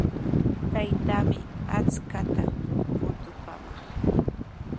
Taytaami aqchaata rutupaamaq.